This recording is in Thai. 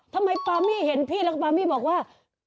ทำไมปัมมี่พี่เห็นพี่แล้วปัมมี่บอกว่า